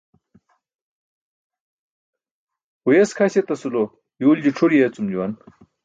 Huyes kʰaś etasulo yuulji c̣ʰur yeecum juwan.